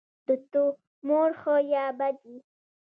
د تومور ښه یا بد وي.